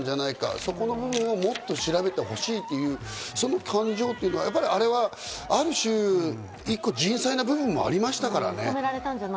そこの部分をもっと調べてほしいという、その感情というのは、あれはある種、一個、人災の部分もありましたからね。